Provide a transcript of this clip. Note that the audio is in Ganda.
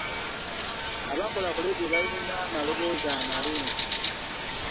Abakola ku leediyo balina amaloboozi amalungi.